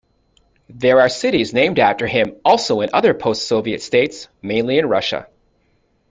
There are cities named after him also in other Post-Soviet states, mainly in Russia.